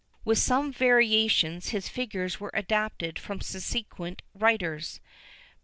With some variations his figures were adopted by subsequent writers.